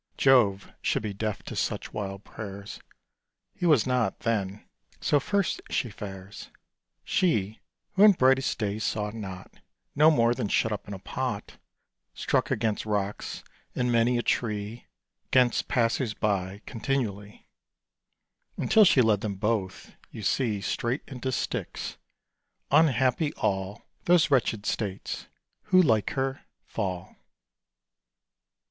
Jove should be deaf to such wild prayers: He was not then; so first she fares; She, who in brightest day saw not, No more than shut up in a pot, Struck against rocks, and many a tree 'Gainst passers by, continually; Until she led them both, you see, Straight into Styx. Unhappy all Those wretched states who, like her, fall.